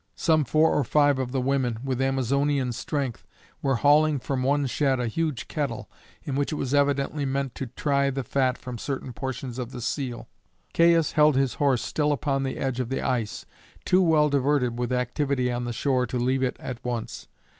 Some four or five of the women, with Amazonian strength, were hauling from one shed a huge kettle, in which it was evidently meant to try the fat from certain portions of the seal. Caius held his horse still upon the edge of the ice, too well diverted with the activity on the shore to leave it at once.